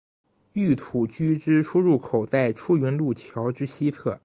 御土居之出入口在出云路桥之西侧。